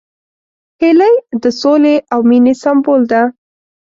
هیلۍ د سولې او مینې سمبول ده